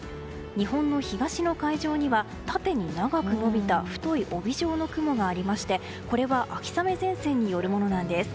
日本の東の海上には縦に長く延びた太い帯状の雲がありましてこれは秋雨前線によるものなんです。